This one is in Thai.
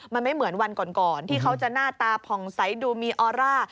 มันไม่เหมือนวันก่อนที่เขาจะหน้าตาผ่องใสดูมีออร่า